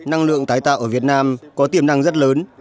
năng lượng tái tạo ở việt nam có tiềm năng rất lớn